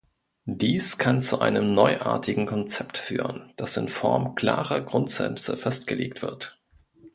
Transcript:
Dies kann zu einem neuartigen Konzept führen, das in Form klarer Grundsätze festgelegt wird.